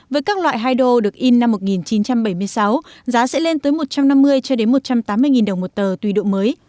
với các loại hai đô được in năm một nghìn chín trăm bảy mươi sáu giá sẽ lên tới một trăm năm mươi cho đến một trăm tám mươi đồng một tờ tùy độ mới